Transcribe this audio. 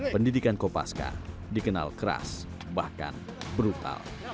pendidikan kopaska dikenal keras bahkan brutal